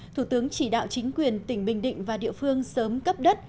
thủ tướng chỉ đạo chính quyền tỉnh bình định và địa phương sớm cấp đất